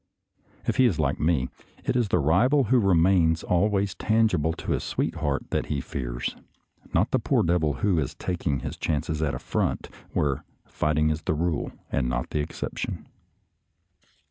If he is like me, it is the rival who remains always tangible to his sweetheart that he fears — not a poor devil who is taking his chances at a front where fighting is the rule and not the exception.